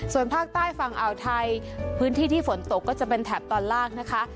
ส่วนภาคใต้ฝั่งอ่าวไทยพื้นที่ที่ฝนตกก็จะเป็นแถบตอนล่างนะคะ